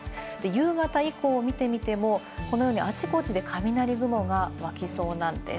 夕方以降を見てみても、このように、あちこちで雷雲がわきそうなんです。